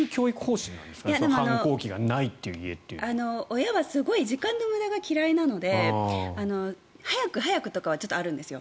親はすごく時間の無駄が嫌いなので早く早くとかはちょっとあるんですよ。